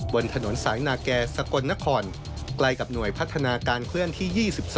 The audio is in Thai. บนถนนสายนาแก่สกลนครใกล้กับหน่วยพัฒนาการเคลื่อนที่๒๒